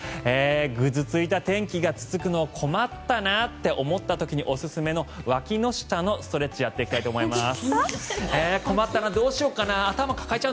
ぐずついた天気が続くの困ったなという時におすすめのわきの下のストレッチをやっていきたいと思います。